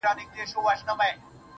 سپوږمۍ هغې ته په زاریو ویل .